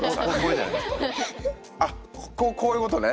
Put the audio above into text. あっこういうことね？